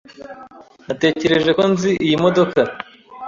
Natekereje ko nzi iyi modoka.